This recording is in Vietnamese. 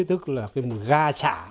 tức là cái mùi ga xả